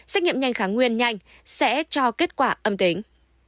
xét nghiệm nhanh kháng nguyên nhanh sẽ cho kết quả âm tính